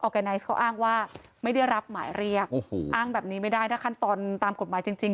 แกไนซ์เขาอ้างว่าไม่ได้รับหมายเรียกโอ้โหอ้างแบบนี้ไม่ได้ถ้าขั้นตอนตามกฎหมายจริงจริง